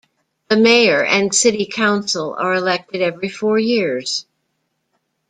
The Mayor and City Council are elected every four years.